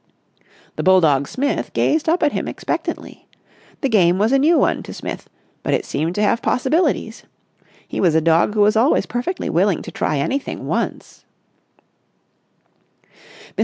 The bulldog Smith, gazed up at him expectantly. The game was a new one to Smith, but it seemed to have possibilities. He was a dog who was always perfectly willing to try anything once.